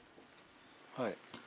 はい。